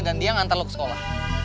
dan dia yang nganter lo ke sekolah